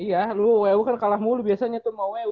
iya lu w e u kan kalah mulu biasanya tuh mau w e u